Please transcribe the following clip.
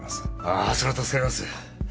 あそれは助かります。